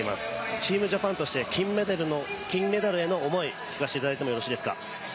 チームジャパンとして金メダルへの思い、聞かせていただいてよろしいですか。